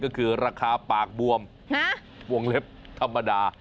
ก็คือราคาปากบวมวงเล็บธรรมดา